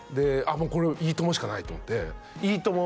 もうこれ「いいとも！」しかないと思って「いいとも！」